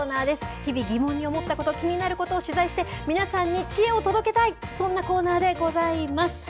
日々、疑問に思ったこと、気になることを取材して、皆さんに知恵を届けたい、そんなコーナーでございます。